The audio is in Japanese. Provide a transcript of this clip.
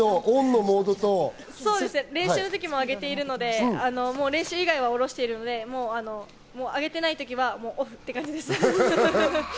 練習の時も上げているので練習以外は下ろしているので、上げてないときはオフって感じです。